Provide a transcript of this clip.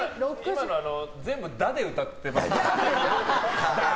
今の、全部「ダ」で歌ってました？